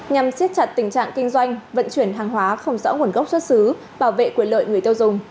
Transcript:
nhằm siết chặt tình trạng kinh doanh vận chuyển hàng hóa không rõ nguồn gốc xuất xứ bảo vệ quyền lợi người tiêu dùng